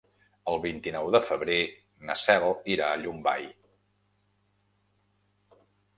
El vint-i-nou de febrer na Cel irà a Llombai.